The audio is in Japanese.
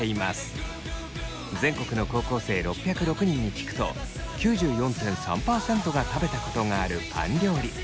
全国の高校生６０６人に聞くと９４．３％が食べたことがあるパン料理。